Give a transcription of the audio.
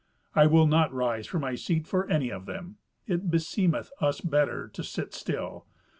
I will not rise from my seat for any of them. It beseemeth us better to sit still.